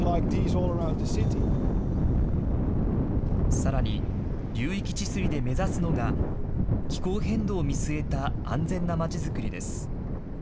さらに、流域治水で目指すのが、気候変動を見据えた安全な町づくりです。